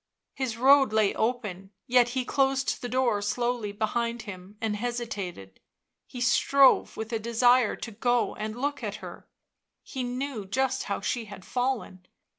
His road lay open; yet he closed the door slowly behind him and hesitated. He strove with a desire to go and look at her; he knew just how she had fallen